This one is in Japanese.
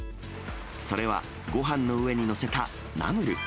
それは、ごはんの上に載せたナムル。